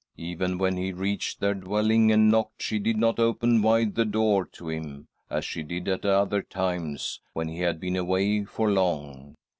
Even when he reached their dwelling and knocked, she did not open wide the door to him, as she did at othei times when he had been away for long.